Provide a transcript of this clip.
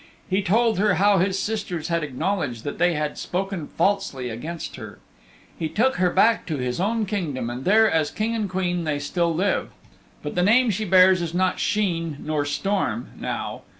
He told her how his sisters had acknowledged that they had spoken falsely against her. He took her back to his own Kingdom, and there, as King and Queen they still live. But the name she bears is not Sheen or Storm now.